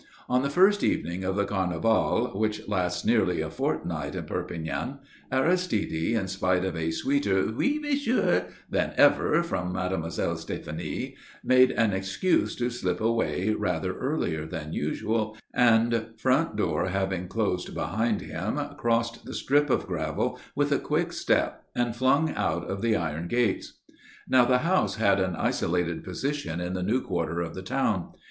On the first evening of the Carnival, which lasts nearly a fortnight in Perpignan, Aristide, in spite of a sweeter "Oui, Monsieur" than ever from Mademoiselle Stéphanie, made an excuse to slip away rather earlier than usual, and, front door having closed behind him, crossed the strip of gravel with a quick step and flung out of the iron gates. Now the house had an isolated position in the new quarter of the town.